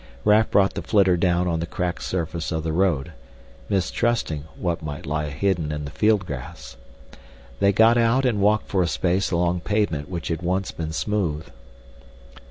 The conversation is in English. Raf brought the flitter down on the cracked surface of the road, mistrusting what might lie hidden in the field grass. They got out and walked for a space along pavement which had once been smooth.